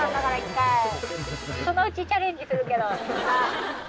そのうちチャレンジするけど。